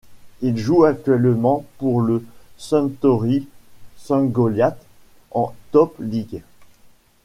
Il joue actuellement pour le Suntory Sungoliath en Top League.